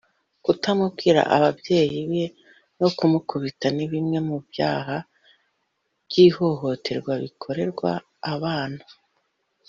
kutamubwira ababyeyi be no kumukubita ni bimwe mu byaha by’ihohotera bikorerwa abana